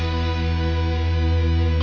speaking of lagi nunggu adu you